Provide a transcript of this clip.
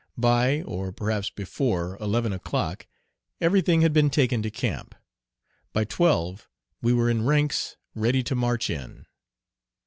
By, or perhaps before, eleven o'clock every thing had been taken to camp. By twelve we were in ranks ready to march in.